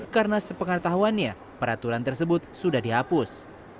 karena sepengatahuannya peraturan tersebut sudah dihapus